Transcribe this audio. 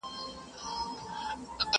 سلده ګان که هوښیاران دي فکر وړي.!